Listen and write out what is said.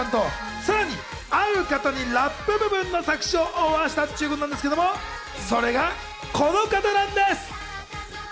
さらにある方にラップ部分の作詞をオファーしたっちゅうことなんですけど、それがこの方なんです。